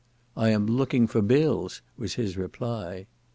"I am looking for bills," was his reply.